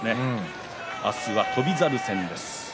明日は翔猿戦です。